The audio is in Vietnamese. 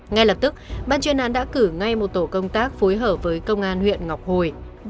ngay lập tức ban chuyên án đã cử ngay một tổ công tác phối hợp với công an huyện ngọc hồi